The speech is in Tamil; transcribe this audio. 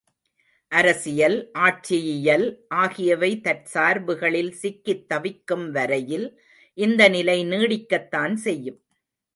அரசியல், ஆட்சியியல் ஆகியவை தற்சார்புகளில் சிக்கித்தவிக்கும் வரையில் இந்தநிலை நீடிக்கத் தான் செய்யும்.